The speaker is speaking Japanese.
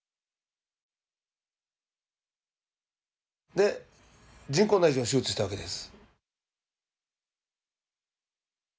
で人工内耳の手術したわけです。